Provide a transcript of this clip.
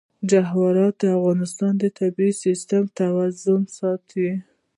جواهرات د افغانستان د طبعي سیسټم توازن ساتي.